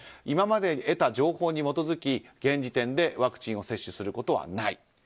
今までに得た情報に基づき現時点でワクチンを接種することはない。